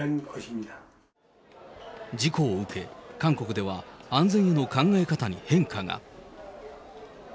事故を受け、韓国では安全への考え方に変化が。